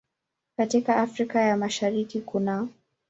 Katika Afrika ya Mashariki kunaː